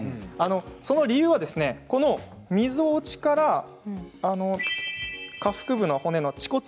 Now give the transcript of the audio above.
その理由はこの、みぞおちから下腹部の骨の恥骨